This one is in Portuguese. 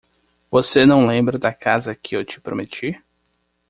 Você não lembra da casa que eu te prometi?